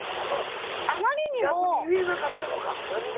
逆に言えなかったのか何も。